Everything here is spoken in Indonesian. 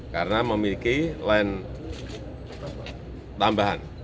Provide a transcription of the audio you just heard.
karena memiliki line tambahan